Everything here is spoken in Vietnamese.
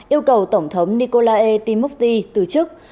yêu cầu tổng thống nicolae timoti từ chức